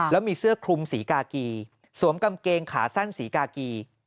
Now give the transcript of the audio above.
แล้วมีเสื้อคลุมสีกากีสวมกางเกงขาสั้นสีกากี